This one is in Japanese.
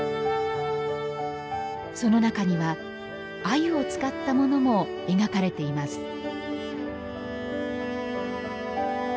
その中には鮎を使ったものも描かれています